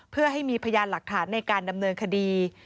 เพื่อให้มีพยานหลักฐานในการดำเนินคดี